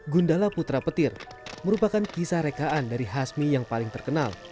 gundala putra petir merupakan kisah rekaan dari hasmi yang paling terkenal